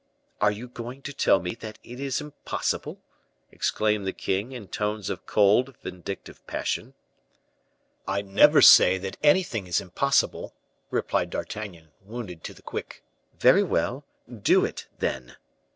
"Are you going to tell me that it is impossible?" exclaimed the king, in tones of cold, vindictive passion. "I never say that anything is impossible," replied D'Artagnan, wounded to the quick. "Very well; do it, then."